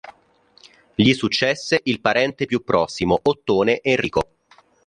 Gli successe il parente più prossimo, Ottone Enrico.